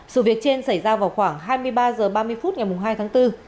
sự việc trên xảy ra vào khoảng hai mươi ba h ba mươi phút ngày hai tháng bốn